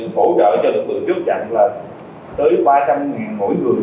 bằng các mặt hàng ký biến